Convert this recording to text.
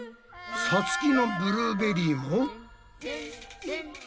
さつきのブルーベリーも。